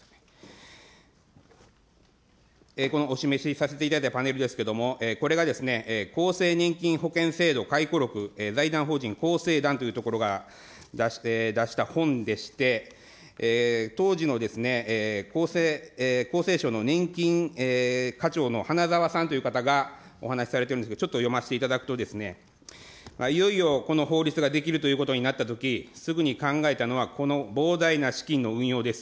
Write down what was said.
このお示しさせていただいたパネルですけども、これが厚生年金保険制度回顧録財団法人こうせいだんというところが出した本でして、当時の厚生省の年金課長のはなざわさんという方がお話されてるんですけど、ちょっと読ませていただくと、いよいよこの法律が出来るということになったとき、すぐに考えたのは、この膨大な資金の運用です。